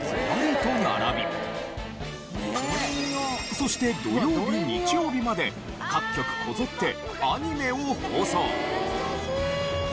そして土曜日日曜日まで各局こぞってアニメを放送。